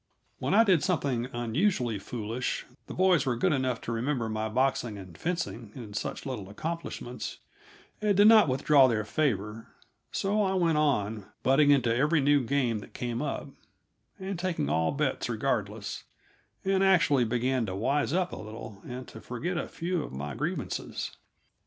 When I did something unusually foolish, the boys were good enough to remember my boxing and fencing and such little accomplishments, and did not withdraw their favor; so I went on, butting into every new game that came up, and taking all bets regardless, and actually began to wise up a little and to forget a few of my grievances.